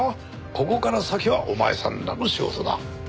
ここから先はお前さんらの仕事だ。